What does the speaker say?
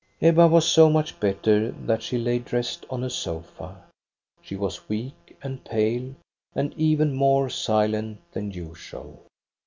" Ebba was so much better that she lay dressed on a sofa. She was weak and pale, and even more silent than usual.